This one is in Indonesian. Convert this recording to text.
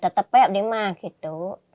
tetap aja nggak bisa gitu